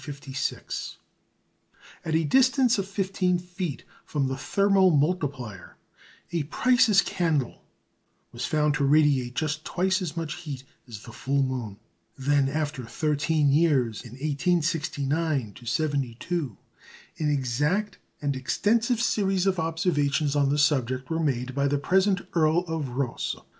At a distance of fifteen feet from the thermomultiplier, a Price's candle was found to radiate just twice as much heat as the full moon. Then, after thirteen years, in 1869 72, an exact and extensive series of observations on the subject were made by the present Earl of Rosse.